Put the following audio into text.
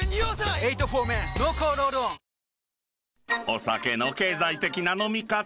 ［お酒の経済的な飲み方。